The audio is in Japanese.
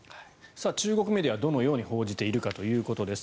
中国メディアはどのように報じているかということです。